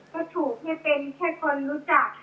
ก็ถูกให้เป็นแค่คนรู้จัก